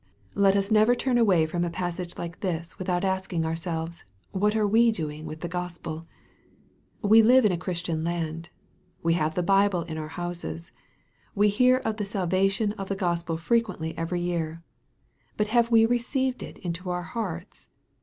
Let us never turn away from a passage like this without MAKE, CHAP. VI. 115 asking ourselves, What are we doing with the Gospel ? We live in a Christian land. We have the Bible in our houses. We hear of the salvation of the Gospel fre quently every year. But have we received it into our hearts